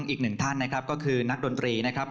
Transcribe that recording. อีกหนึ่งท่านนะครับก็คือนักดนตรีนะครับ